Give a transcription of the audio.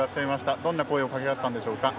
どんな声をかけ合ったんですか。